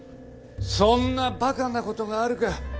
そんなバカなことがあるか。